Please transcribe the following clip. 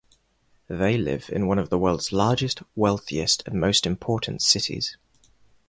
They live in one of the world's largest, wealthiest, and most important cities.